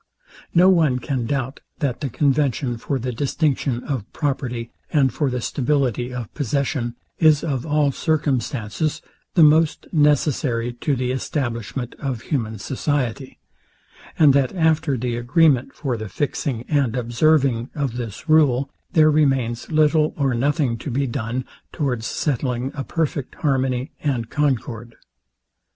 No one can doubt, that the convention for the distinction of property, and for the stability of possession, is of all circumstances the most necessary to the establishment of human society, and that after the agreement for the fixing and observing of this rule, there remains little or nothing to be done towards settling a perfect harmony and concord.